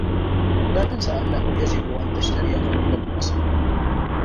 لا تنس أنّه يجب أن تشتري قليلا من البصل.